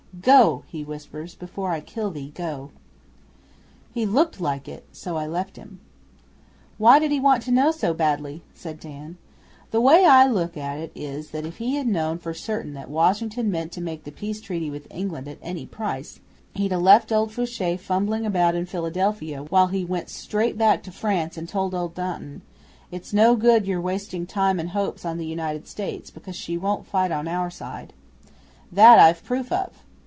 '"Go!" he whispers. "Before I kill thee, go." 'He looked like it. So I left him.' 'Why did he want to know so badly?' said Dan. 'The way I look at it is that if he had known for certain that Washington meant to make the peace treaty with England at any price, he'd ha' left old Faucher fumbling about in Philadelphia while he went straight back to France and told old Danton "It's no good your wasting time and hopes on the United States, because she won't fight on our side that I've proof of!"